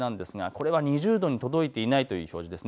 これは２０度に届いていないという表示です。